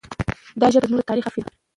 دا ژبه زموږ د تاریخ حافظه ده.